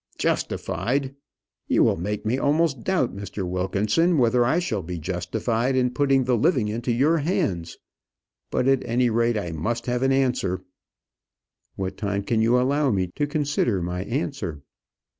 "Justified! you will make me almost doubt, Mr. Wilkinson, whether I shall be justified in putting the living into your hands; but, at any rate, I must have an answer." "What time can you allow me to consider my answer?"